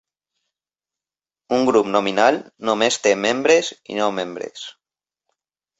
Un grup nominal només té membres i no membres.